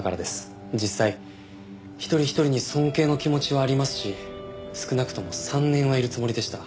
実際一人一人に尊敬の気持ちはありますし少なくとも３年はいるつもりでした。